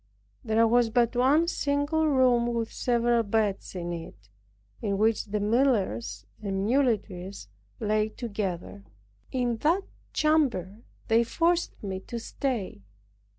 There was but one single room with several beds in it, in which the millers and muleteers lay together. In that chamber they forced me to stay.